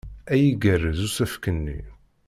Ay igerrez usefk-nni!